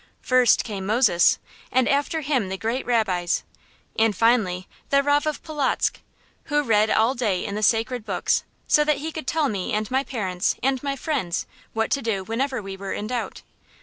First came Moses, and after him the great rabbis, and finally the Rav of Polotzk, who read all day in the sacred books, so that he could tell me and my parents and my friends what to do whenever we were in doubt.